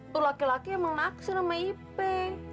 tuh laki laki emang langsung sama ipe